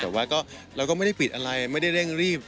แต่ว่าเราก็ไม่ได้ปิดอะไรไม่ได้เร่งรีบ